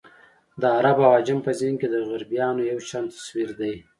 د عرب او عجم په ذهن کې د غربیانو یو شان تصویر دی.